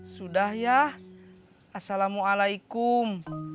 sudah ya assalamualaikum